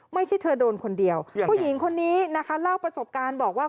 ไม่ใช่เธอโดนคนเดียวผู้หญิงคนนี้นะคะเล่าประสบการณ์บอกว่า